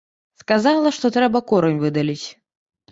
Сказала, што трэба корань выдаліць.